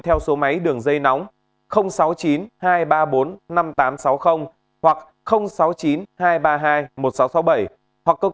theo số mô hình